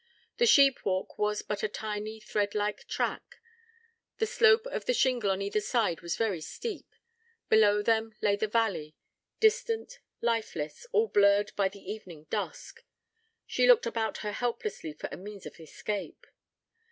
The sheep walk was but a tiny threadlike track: the slope of the shingle on either side was very steep: below them lay the valley; distant, lifeless, all blurred by the evening dusk. She looked about her helplessly for a means of escape.